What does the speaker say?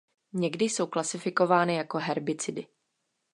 Někdy jsou klasifikovány jako herbicidy.